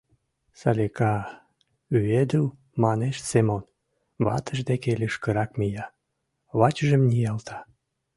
— Салика... — ӱедыл манеш Семон, ватыж деке лишкырак мия, вачыжым ниялта.